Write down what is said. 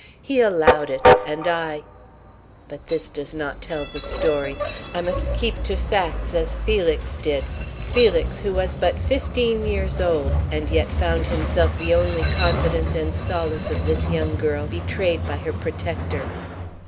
"He allowed it and I But this does not tell the story. I must keep to facts as Felix did Felix, who was but fifteen years old and yet found himself the only confidant and solace of this young girl betrayed by her protector.